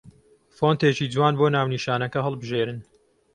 فۆنتێکی جوان بۆ ناونیشانەکە هەڵبژێن